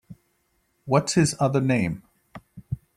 What’s his other name?